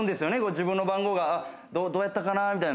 自分の番号がどうやったかなみたいな。